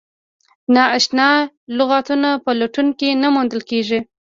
نا اشنا لغتونه په لټون کې نه موندل کیږي.